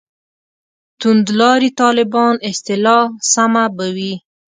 «توندلاري طالبان» اصطلاح سمه به وي.